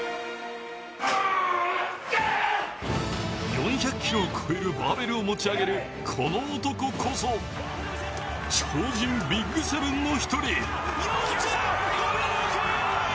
４００ｋｇを超えるバーベルを持ち上げる、この男こそ超人ＢＩＧ７の１人。